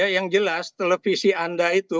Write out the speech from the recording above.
yang jelas televisi anda itu